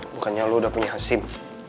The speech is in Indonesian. bukannya lo udah punya hasim